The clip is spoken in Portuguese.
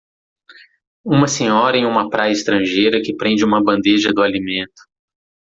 Uma senhora em uma praia estrangeira que prende uma bandeja do alimento.